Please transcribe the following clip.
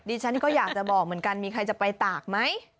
ฉันก็อยากจะบอกเหมือนกันมีใครจะไปตากไหม